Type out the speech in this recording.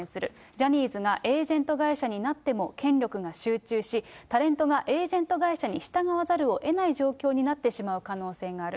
ジャニーズがエージェント会社になっても権力が集中し、タレントがエージェント会社に従わざるをえない状況になってしまう可能性がある。